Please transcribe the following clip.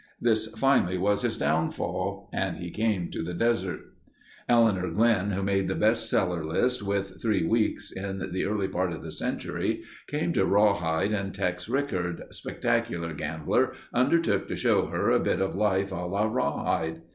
This finally was his downfall and he came to the desert. Elinor Glyn, who made the best seller list with "Three Weeks" in the early part of the century, came to Rawhide and Tex Rickard, spectacular gambler undertook to show her a bit of life a la Rawhide.